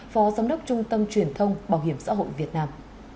phó giám đốc trung tâm truyền thông bảo hiểm xã hội việt nam